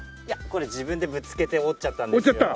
いやこれ自分でぶつけて折っちゃったんですよ。